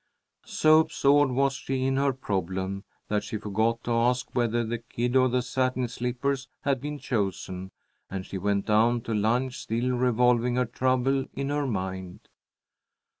So absorbed was she in her problem that she forgot to ask whether the kid or the satin slippers had been chosen, and she went down to lunch still revolving her trouble in her mind.